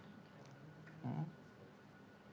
iya silakan pak